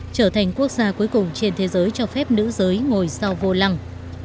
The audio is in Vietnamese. trở thành quốc gia cuối cùng trên thế giới cho phép nữ giới ngồi sau vô lăng